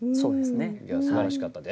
すばらしかったです。